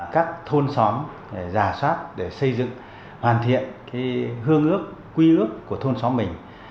các thôn xóm giả soát để xây dựng hoàn thiện hương ước quy ước của thôn xóm mình